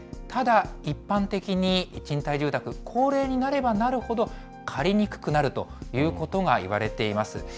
ただ、一般的に賃貸住宅、高齢になればなるほど、借りにくくなるということがいわれています。